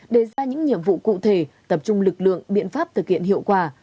đề ra những nhiệm vụ cụ thể tập trung lực lượng biện pháp thực hiện hiệu quả